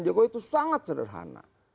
joko itu sangat sederhana